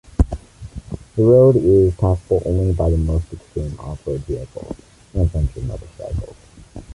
The road is passable only by the most extreme off-road vehicles and adventure motorcycles.